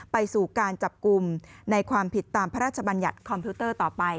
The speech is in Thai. ไปสู่การจับกลุ่มในความผิดตามพระราชบัญญัติคอมพิวเตอร์ต่อไป